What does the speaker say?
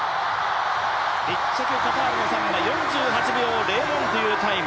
１着、カタールのサンバ４８秒００というタイム。